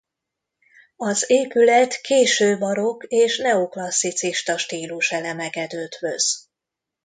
Az épület késő barokk és neoklasszicista stíluselemeket ötvöz.